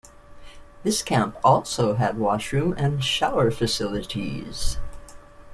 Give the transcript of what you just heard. This camp also had washroom and shower facilities.